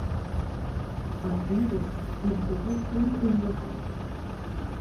À Ur, il fait construire une muraille.